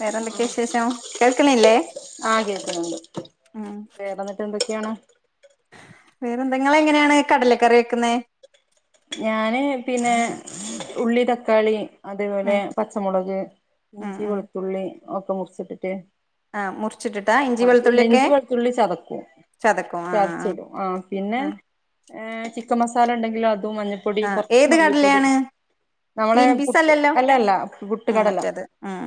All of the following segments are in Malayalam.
വേറെന്തൊക്കെ വിശേഷം കേൾക്കണില്ലേ? ആഹ് കേക്ക്ണ്ട് ഉം വേറെന്നിട്ട് എന്തൊക്കെയാണ് വേറെന്താ ങ്ങള് എങ്ങനെയാണ് കടല കറി വെക്കുന്നെ? ഞാന് പിന്നെ ഉള്ളി തക്കാളി അതേപോലെ ഉം പച്ചമുളക് ഉം ഇഞ്ചി ഉം വെളുത്തുള്ളി ഒക്കെ മുറിച്ചിട്ടിട്ട്, ആ മുറിച്ചിട്ടിട്ടാ ഇഞ്ചി ആഹ് ഇല്ല വെളുത്തുള്ളിയൊക്കെ ഇഞ്ചി വെളുത്തുള്ളി ചതക്കും ചതക്കും ആ ചതച്ചിടും ആഹ് പിന്നെ ആ ഏഹ് ചിക്കൻ മസാലണ്ടെങ്കില് അതും മഞ്ഞ പൊടി ആ കൊർച്ച് ഏത് മല്ലിപ്പൊടി കടലയാണ് നാളെ ഗ്രീൻ പീസ് പുട്ട് അല്ലല്ലോ അല്ല ല്ല ഉം പുട്ട്കടല്ല മറ്റേത് ഉം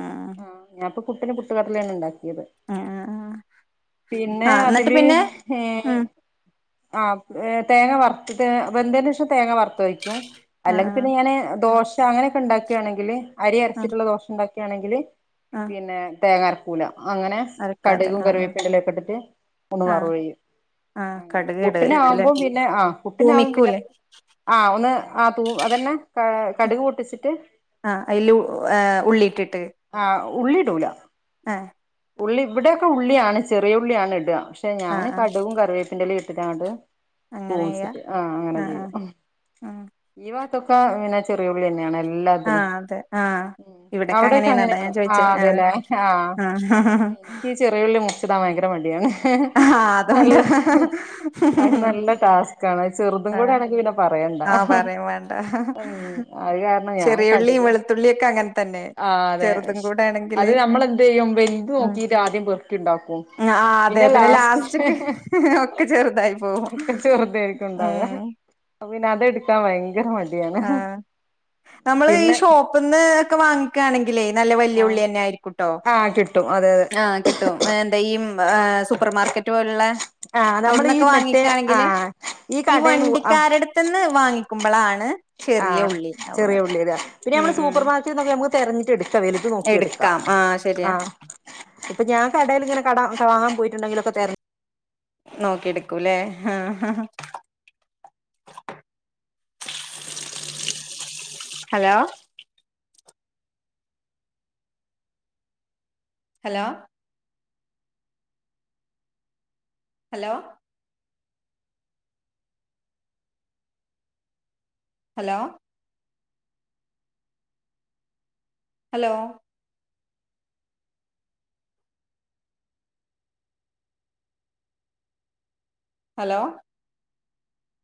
ആഹ് ഞാന്പ്പോ പുട്ടിന് പുട്ടുകടലേണ് ണ്ടാക്കിയത് ഉം ഉം ഉം ആ പിന്നെ എന്നിട്ട് അതില് പിന്നെ ഏഹ് ഉം ആഹ് ഏഹ് തേങ്ങ വറ്ത്തത് വെന്തേന്റെഷം തേങ്ങ വറ്ത്തൊയ്ക്കും ആ അല്ലെങ്കി ആ പിന്നെ ഞാന് ദോശ അങ്ങനെക്കെണ്ടാക്കാണെങ്കില് അരി ആ അരച്ച്ട്ട്ള്ള ദോശ ണ്ടാക്കാണെങ്കില് ആ പിന്നെ തേങ്ങർക്കൂല അങ്ങനെ അരക്കാതെ കട്കും ആ ആ കറിവേപ്പിന്റെലെക്കെട്ട്ട്ട് ഒന്ന് ആ വറവെയ്യും ആ ആഹ് കടുക് ഇടുവായിരിക്കുംല്ലേ പുട്ടിനാവുമ്പോ പിന്നെ ആഹ് പുട്ടിനാവുമ്പം പിന്നെ [inaudible] ആഹ് ഒന്ന് ആഹ് തൂ അതെന്നെ കട്ക് പൊട്ടിച്ചിട്ട്. ആഹ് അയ്‌ല് ഏഹ് ഉള്ളിട്ട്ട്ട്. ആഹ് ഉള്ളിടൂല. ആഹ് ഉള്ളി ഇബടെക്കെ ഉള്ളിയാണ് ചെറിയുള്ളിയാണ് ടാ പക്ഷെ ആ ഞാന് ആ കട്കും കറിവേപ്പിന്റെലിട്ട്ട്ടങ്ങട്ട് [unintelligible] അങ്ങനെ ചെയ്യാ ആഹ് അങ്ങനെ ആ ആ ചെയ്യും ഉം ഈ ഭാത്തൊക്കെ അങ്ങനെ ചെ ചെറിയുള്ള്യന്നെണ് എല്ലാ തിലും ആഹ് അതെ ആഹ് ഉം ഇവിടൊക്കെ അവടെ അങ്ങനെയാണ് ആണ് അതാ ഞാൻ ചോയിച്ചേ ആഹ് അതെല്ലേ ആഹ് ആഹ് ഇൻക്ക് ചെറിയുള്ളി മുർച്ച്ടാൻ ഭയങ്കര മടിയാണ്. ഹ. ആഹ് നല്ല അതുകൊണ്ട് അത് നല്ല ടാസ്ക്കാണ് ചെറ്തും ആഹ് കൂടാണെങ്കി പിന്നെ പറയണ്ട. ആഹ് പറയും വേണ്ട ഉം അത് കാരണം ഞാൻ ചെറിയുള്ളിയും കട്കും വെളുത്തുള്ളിയൊക്കെ അങ്ങനെ തന്നെ ആ വേ ചെറുതും ഷ് കൂടെ അത് ആണെങ്കില് നമ്മളെന്തെയ്യും വെൽത് ഉം നോക്കീട്ടാദ്യം പെറ്ക്കി ണ്ടാക്കും ആഹ് അതെ പിന്നെത് പിന്നെ ലാസ്റ്റ്ക്ക് ഒക്കെ ചെറ്തായി പോവും. ഉം അപ്പോ പിന്നെ അതെട്ക്കാൻ ഭയങ്കര മ ആഹ് നമ്മള് ഈ ഷോ പ്പ്ന്ന് ഒക്കെ വാങ്ങിക്കാണെങ്കിലെ നല്ല വെല്ല്യുള്ള്യെന്നായിരിക്കുട്ടോ. ആഹ് കിട്ടും അതെ ആഹ് കിട്ടും എന്താ ഈ എഹ് സൂപ്പർ മാർക്കറ്റ് പോല്ള്ള. ആ നമ്മൾ ഈ അവ്ട്ന്നൊക്കെ മറ്റേ ആ വാങ്ങിക്കാണെങ്കില് ഈ കടേന്ന് ആ വണ്ടിക്കാരട് ത്ത്ന്ന് വാങ്ങിക്കുമ്പളാണ്. ചെറിയ ആഹ് ഉള്ളി ഉണ്ടാവണത് ചെറിയുള്ളിലെ പിന്നെ ഉം അമ്മള് ഉം സൂപ്പർക്കറ്റ് ന്നൊക്കെ നമക്ക് തെരഞ്ഞിട്ടട് ക്ക വെല്ത് നോക്കിയെട്ക്കാ എടുക്കാം ആഹ് ശരിയാ ആഹ് ഇപ്പൊ ഞാൻ കടേല്ങ്ങനെ കട വാങ്ങാൻ പോയിട്ട്ണ്ടെങ്കിലൊക്കെ തെര നോക്കിട്ക്കൂല്ലേ hello. Hello. Hello. Hello. Hello. Hello.